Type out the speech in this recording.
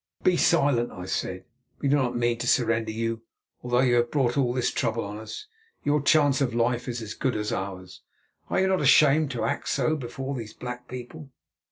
"Be silent," I said; "we do not mean to surrender you, although you have brought all this trouble on us. Your chance of life is as good as ours. Are you not ashamed to act so before these black people?"